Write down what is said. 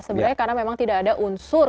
sebenarnya karena memang tidak ada unsur